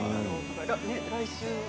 来週。